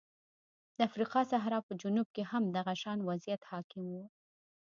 د افریقا صحرا په جنوب کې هم دغه شان وضعیت حاکم و.